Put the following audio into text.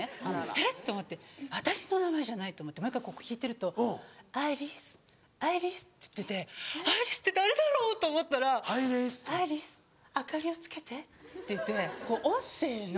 えっ私の名前じゃない！と思ってもう１回聞いてると「アイリスアイリス」っつっててアイリスって誰だろうと思ったら「アイリス明かりをつけて」って言って音声の。